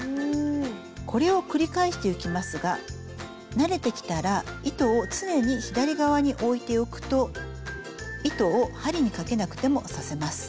これを繰り返していきますが慣れてきたら糸を常に左側に置いておくと糸を針にかけなくても刺せます。